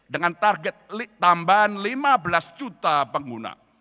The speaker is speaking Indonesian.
dengan target tambahan lima belas juta pengguna